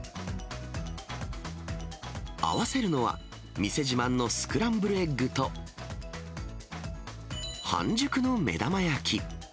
合わせるのは店自慢のスクランブルエッグと、半熟の目玉焼き。